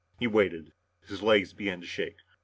He waited his legs began to shake.